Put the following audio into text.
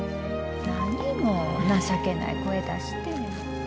何もう情けない声出して。